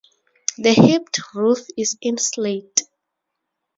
The hipped roof is in slate.